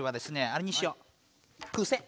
あれにしよう「くせ」。